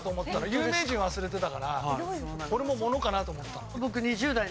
有名人忘れてたから俺も物かなと思ったの。